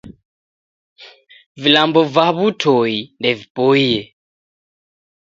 Vilambo va w'utoi ndevipoie.